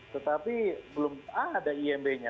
tetapi belum ada imb nya